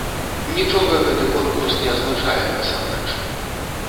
Нічога гэты конкурс не азначае, насамрэч.